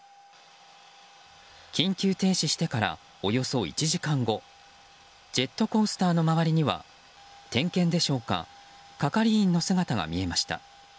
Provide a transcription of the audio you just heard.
緊急停止してからおよそ１時間後ジェットコースターの周りには点検でしょうか係員の姿が見えました。